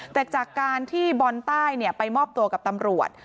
แต่จากการที่บอลใต้ไปมอบตัวกับตำรวจ